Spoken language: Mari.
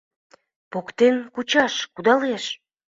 Поктен кучаш кудалеш.